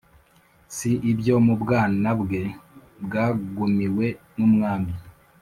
si ibyo mu bwanambe bwagumiwe n'umwami